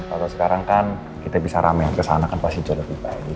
kalau sekarang kan kita bisa rame kesana kan pasti jauh lebih baik